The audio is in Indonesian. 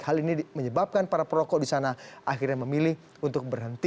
hal ini menyebabkan para perokok di sana akhirnya memilih untuk berhenti